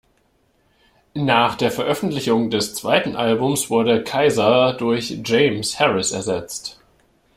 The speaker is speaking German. Nach der Veröffentlichung des zweiten Albums wurde Keyser durch James Harris ersetzt.